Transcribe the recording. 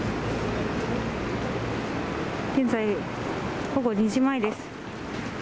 現在、午後２時前です。